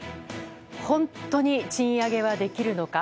本当に賃上げはできるのか。